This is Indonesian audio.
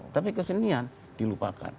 tapi kesenian dilupakan